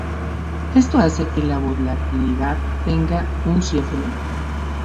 Esto hace que la volatilidad tenga un cierto límite.